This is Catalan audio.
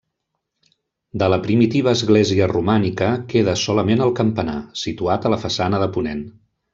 De la primitiva església romànica queda solament el campanar, situat a la façana de ponent.